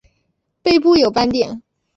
背部有斑点。